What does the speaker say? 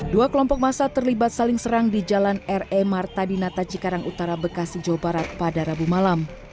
dua kelompok massa terlibat saling serang di jalan r e martadina tajikarang utara bekasi jawa barat pada rabu malam